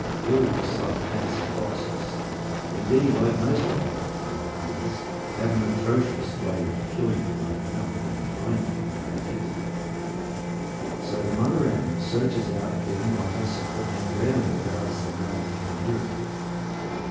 Wolves, like cats and foxes, and indeed like most wild male animals, have an atrocious way of killing their own young when they find them unprotected; so the mother animal searches out a den by herself and rarely allows the male to come near it.